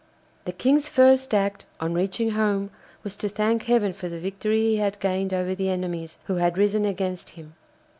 The King's first act on reaching home was to thank Heaven for the victory he had gained over the enemies who had risen against him.